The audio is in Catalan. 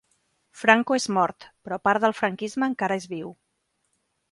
Franco és mort però part del franquisme encara és viu.